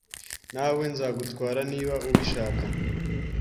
Na we Nzagutwara niba ubishaka